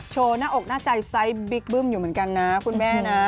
โชว์หน้าอกหน้าใจไซส์บิ๊กบึ้มอยู่เหมือนกันนะคุณแม่นะ